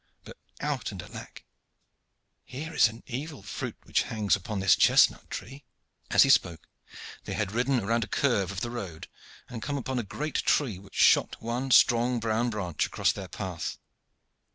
But, out and alack, here is an evil fruit which hangs upon this chestnut tree!" As he spoke they had ridden round a curve of the road and come upon a great tree which shot one strong brown branch across their path.